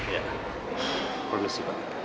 ya permisi pak